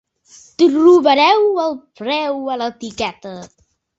Trobareu el preu a l'etiqueta.